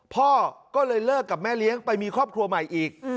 พ่อก็เลยเลิกกับแม่เลี้ยงไปมีครอบครัวใหม่อีก